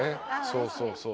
そうそうそう。